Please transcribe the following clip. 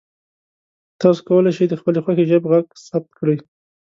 تاسو کولی شئ د خپلې خوښې ژبې غږ ثبت کړئ.